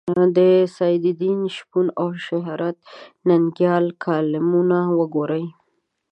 د سعدالدین شپون او شهرت ننګیال کالمونه وګورئ.